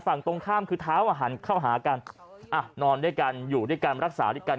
ฝั่งตรงข้ามคือเท้าอ่ะหันเข้าหากันอ่ะนอนด้วยกันอยู่ด้วยกันรักษาด้วยกัน